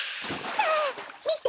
はあみて！